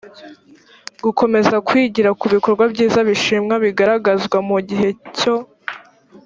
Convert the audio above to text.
gukomeza kwigira ku bikorwa byiza bishimwa bigaragazwa mu gihe cyo